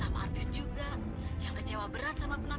mendingan sekarang kamu keluar